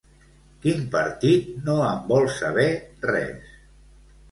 Quin partit no en vol saber res?